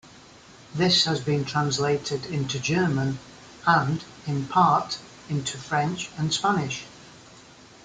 This has been translated into German and, in part, into French and Spanish.